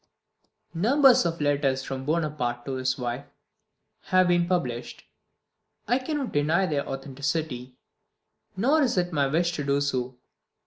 Numbers of letters from Bonaparte to his wife have been published. I cannot deny their authenticity, nor is it my wish to do so.